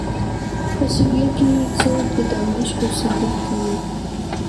په سوریه کې څوک د دمشق اوسېدونکی وي.